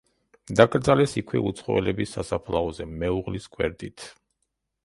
დაკრძალეს იქვე უცხოელების სასაფლაოზე, მეუღლის გვერდით.